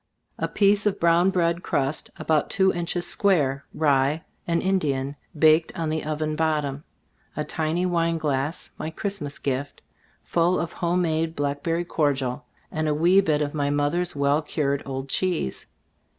A piece of brown bread crust, about two inches square, rye and Indian, baked on the oven bottom; a tiny wine glass, my Christmas gift, full of home made blackberry cordial, and a wee bit of my mother's well cured old cheese.